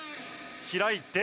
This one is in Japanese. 開いて。